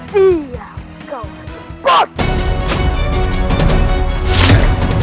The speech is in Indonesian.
tidak kau harus pergi